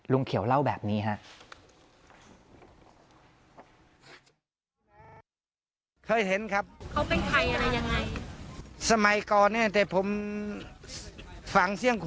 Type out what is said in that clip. ลุงเขียวเล่าแบบนี้ฮะ